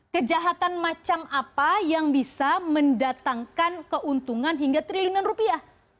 kejahatan macam apa yang bisa mendatangkan keuntungan hingga triliunan rupiah